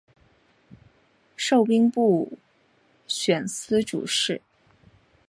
授兵部武选司主事。